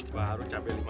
baru cabai lima belas